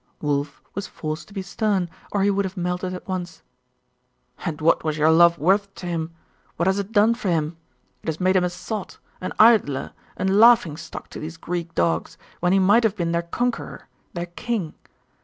Wulf was forced to be stern, or he would have melted at once. 'And what was your love worth to him? What has it done for him? It has made him a sot, an idler, a laughing stock to these Greek dogs, when he might have been their conqueror, their king.